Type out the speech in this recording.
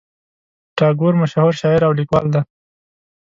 ټاګور مشهور شاعر او لیکوال دی.